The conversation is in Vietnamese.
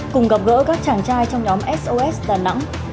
cùng gặp gỡ các chàng trai trong nhóm sos đà nẵng